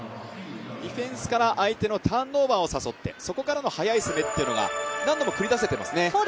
ディフェンスから相手のターンオーバーを誘ってそこからの速い攻めというのが何度も繰り出せていますね。